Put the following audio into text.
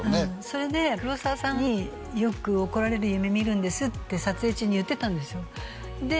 それで黒澤さんに「よく怒られる夢見るんです」って撮影中に言ってたんですよで